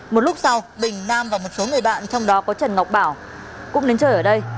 một lúc sau bình nam và một số người bạn trong đó có trần ngọc bảo cũng đến chơi ở đây